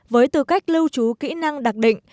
với tư cách lưu trú kỹ năng đặc định